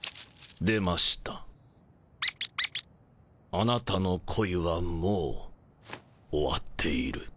あなたの恋はもう終わっている。